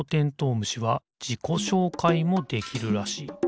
むしはじこしょうかいもできるらしい。